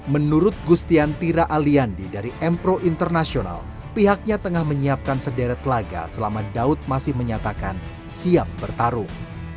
menurut gustian tira aliandi dari mpro international pihaknya tengah menyiapkan sederet laga selama daud masih menyatakan siap bertarung